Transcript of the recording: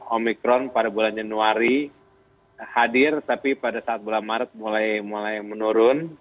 omikron pada bulan januari hadir tapi pada saat bulan maret mulai menurun